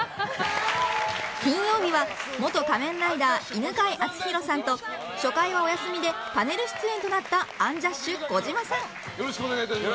金曜日は元仮面ライダー犬飼貴丈さんと初回はお休みでパネル出演となったよろしくお願いいたします。